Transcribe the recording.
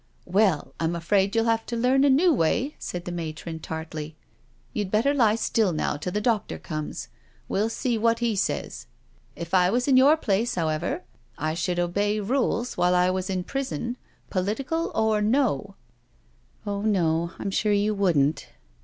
" Well, I'm afraid you'll have to learn a new way/' said the matron tartly. " You'd better lie still now till the doctor comes — ^we'U see what he says. If I was in your place, however, I should obey rules while I was in prison— political or no—" " Oh no, I'm sure you wouldn't."